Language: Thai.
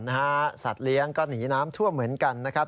สัตว์เลี้ยงก็หนีน้ำท่วมเหมือนกันนะครับ